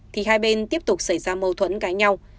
thì hai bên tiếp tục xảy ra mâu thuẫn cãi nhau